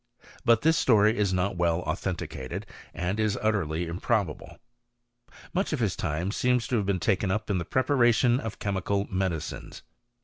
But this story is not well authenticated, and is utterly improbable.' Much of his time seems to have been taken up in the preparation of chemical medicines.